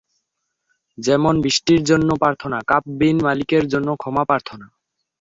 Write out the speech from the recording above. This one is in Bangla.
যেমন; বৃষ্টির জন্য প্রার্থনা, কাব বিন মালিকের জন্যে ক্ষমা প্রার্থনা।